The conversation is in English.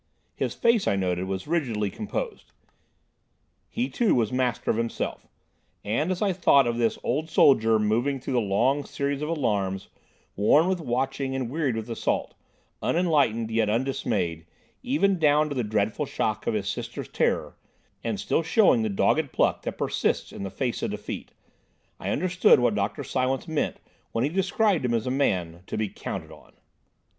His face, I noted, was rigidly composed. He, too, was master of himself. And, as I thought of this old soldier moving through the long series of alarms, worn with watching and wearied with assault, unenlightened yet undismayed, even down to the dreadful shock of his sister's terror, and still showing the dogged pluck that persists in the face of defeat, I understood what Dr. Silence meant when he described him as a man "to be counted on."